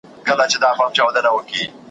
پر خاورو واک نه غواړي